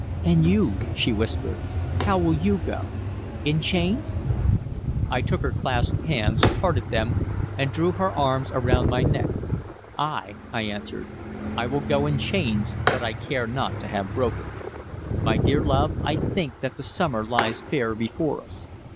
"And you?" she whispered. "How will you go? In chains?" I took her clasped hands, parted them, and drew her arms around my neck. "Ay," I answered, "I will go in chains that I care not to have broken. My dear love, I think that the summer lies fair before us.